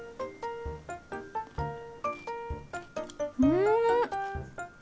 うん！